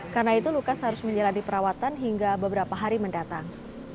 karena itu lukas harus menjalani perawatan hingga beberapa hari mendatang